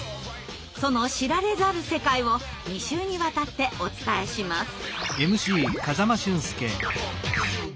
その知られざる世界を２週にわたってお伝えします。